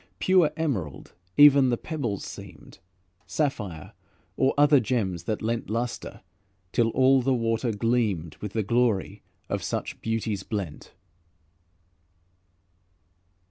Pure emerald even the pebbles seemed, Sapphire, or other gems that lent Luster, till all the water gleamed With the glory of such beauties blent.